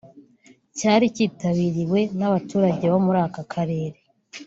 cyari kitabiriwe n’abaturage bo muri aka karere